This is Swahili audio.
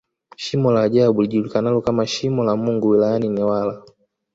Shimo la ajabu lijulikanalo kama Shimo la Mungu wilayani Newala